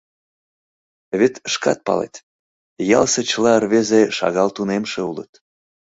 Вет шкат палет, ялысе чыла рвезе шагал тунемше улыт.